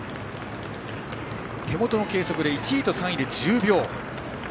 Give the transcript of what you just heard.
手元の計測で１位と３位で１０秒。